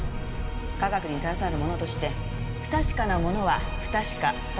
科学に携わる者として不確かなものは不確かだとしか言えないわ。